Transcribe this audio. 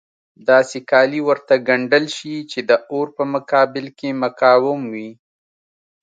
داسې کالي ورته ګنډل شي چې د اور په مقابل کې مقاوم وي.